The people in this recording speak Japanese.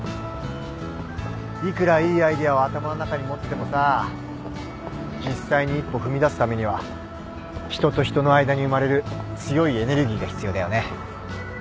いくらいいアイデアを頭の中に持っててもさ実際に一歩踏み出すためには人と人の間に生まれる強いエネルギーが必要だよね。